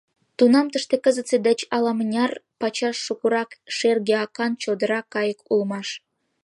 Тунам тыште кызытсе деч ала-мыняр пачаш шукырак шерге акан чодыра кайык улмаш.